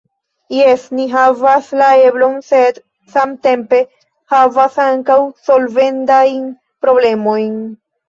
Jes, ni havas la eblon, sed samtempe havas ankaŭ solvendajn problemojn.